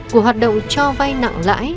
của hoạt động cho vai nặng lãi